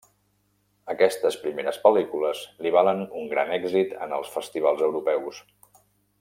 Aquestes primeres pel·lícules li valen un gran èxit en els festivals europeus.